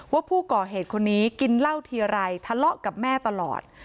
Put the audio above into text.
ว่าผู้ก่อเหตุคนนี้กินเหล้าทีไรทะเลาะกับแม่ตลอด